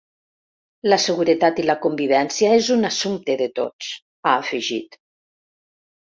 La seguretat i la convivència és un assumpte de tots, ha afegit.